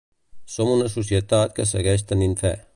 Som una societat que segueix tenint fe.